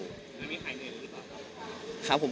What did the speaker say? แล้วมีหายเหนื่อยหรือเปล่าครับ